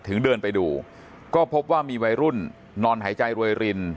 เดินไปดูก็พบว่ามีวัยรุ่นนอนหายใจรวยริน